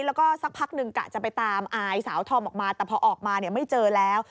แล้วก็สักพักหนึ่งกะจะไปตามอายสาวธอมออกมาแต่พอออกมาเนี่ยไม่เจอแล้ว